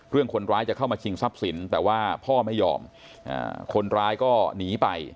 คนร้ายจะเข้ามาชิงทรัพย์สินแต่ว่าพ่อไม่ยอมคนร้ายก็หนีไป